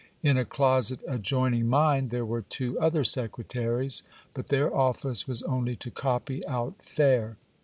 In a closet adjoining mine there were two other secre taries ; but their office was only to copy out fair.